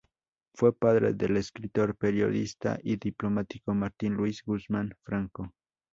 Fue padre del escritor, periodista y diplomático Martín Luis Guzmán Franco.